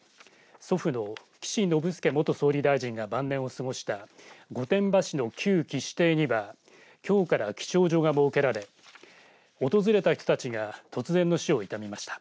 祖父の岸信介元総理大臣が晩年を過ごした御殿場市の旧岸邸にはきょうから記帳所が設けられ訪れた人たちが突然の死を悼みました。